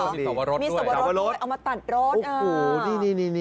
มีสวรรดด้วยเอามาตัดรส